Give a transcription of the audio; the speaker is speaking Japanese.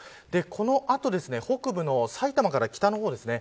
この後、北部の埼玉から北の方ですね。